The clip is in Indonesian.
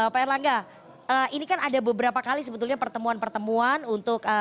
pak erlangga ini kan ada beberapa kali sebetulnya pertemuan pertemuan untuk